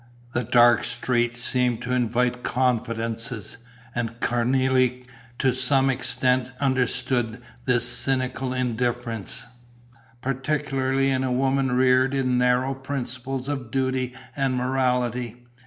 The dark street seemed to invite confidences; and Cornélie to some extent understood this cynical indifference, particularly in a woman reared in narrow principles of duty and morality.